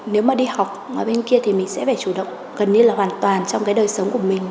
nếu mà đi học ở bên kia thì mình sẽ phải chủ động gần như là hoàn toàn trong cái đời sống của mình